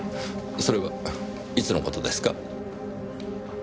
それはいつの事ですか？